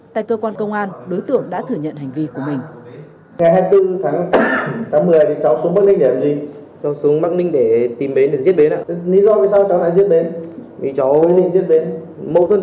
tại cơ quan công an đối tượng đã thừa nhận hành vi của mình